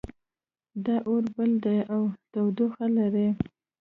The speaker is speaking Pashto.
دا اور بل ده او تودوخه لري